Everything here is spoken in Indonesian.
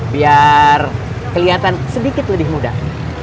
biar kelihatan sedikit lebih mudah